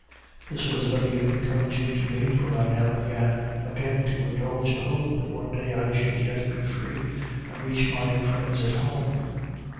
This was very encouraging to me, for I now began again to indulge a hope that one day I should yet be free, and reach my friends at home.